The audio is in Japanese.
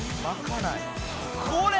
「これ！」